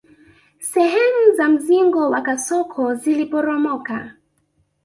Sehemu za mzingo wa kasoko ziliporomoka